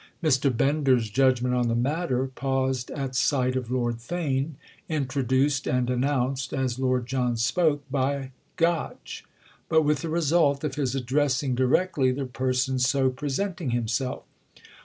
Mr. Bender's judgment on the matter paused at sight of Lord Theign, introduced and announced, as Lord John spoke, by Gotch; but with the result of his addressing directly the person so presenting himself.